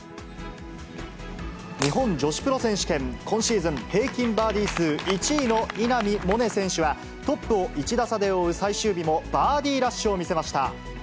日本女子プロ選手権、今シーズン平均バーディー数１位の稲見萌寧選手は、トップを１打差で追う最終日もバーディーラッシュを見せました。